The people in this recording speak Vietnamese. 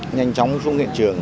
nhanh chóng xuống hiện trường